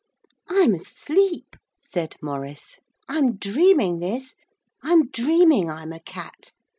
'I am asleep,' said Maurice 'I am dreaming this. I am dreaming I am a cat.